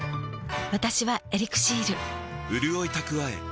私は「エリクシール」